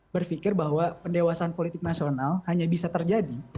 berpikir bahwa pendewasaan politik nasional hanya bisa terjadi